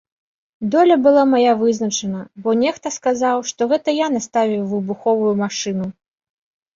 Доля была мая вызначана, бо нехта сказаў, што гэта я наставіў выбуховую машыну.